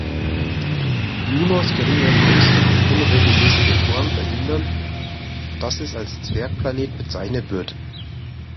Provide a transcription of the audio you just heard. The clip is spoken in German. Junos geringe Größe und unregelmäßige Form verhindern, dass es als Zwergplanet bezeichnet wird.